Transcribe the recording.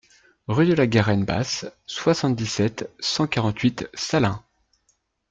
Rue de la Garenne Basse, soixante-dix-sept, cent quarante-huit Salins